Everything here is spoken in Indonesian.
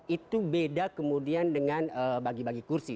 itu beda kemudian dengan bagi bagi kursi